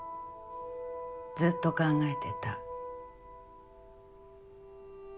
ずっと考えてた。